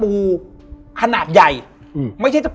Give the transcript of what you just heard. แล้วสักครั้งหนึ่งเขารู้สึกอึดอัดที่หน้าอก